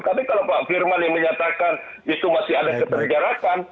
tapi kalau pak firman yang menyatakan itu masih ada kesenjarakan